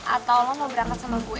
atau lo mau berangkat sama gue